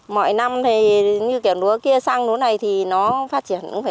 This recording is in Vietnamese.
mọi năm thì như kiểu lúa kia sang lúa này thì nó phát triển